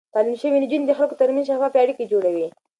تعليم شوې نجونې د خلکو ترمنځ شفاف اړيکې جوړوي.